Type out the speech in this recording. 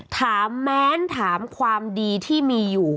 แม้นถามความดีที่มีอยู่